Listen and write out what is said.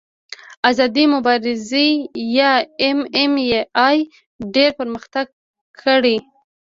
آزادې مبارزې یا ایم ایم اې ډېر پرمختګ کړی.